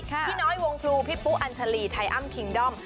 พี่น้อยวงพลูพี่ปุ๊อัญชาลีไทยอ้ำคิงด้อม